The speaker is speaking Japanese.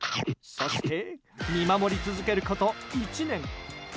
そして、見守り続けること１年。